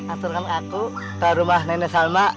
aturkan ke aku ke rumah nenek salma